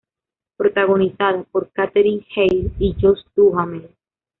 Protagonizada por Katherine Heigl y Josh Duhamel.